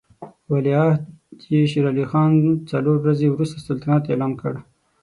ولیعهد یې شېر علي خان څلور ورځې وروسته سلطنت اعلان کړ.